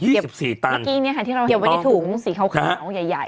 เมื่อกี้เนี่ยค่ะที่เราเห็นวันนี้ถูกสีเขาขาวใหญ่